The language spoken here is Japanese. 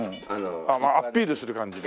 まあアピールする感じで。